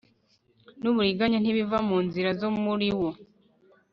n uburiganya ntibiva mu nzira zo muri wo